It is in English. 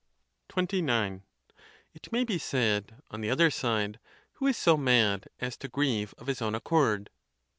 XXIX. It may be said, on the other side, Who is so mad as to grieve of his own accord?